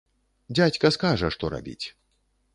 Дзядзька скажа, што рабіць.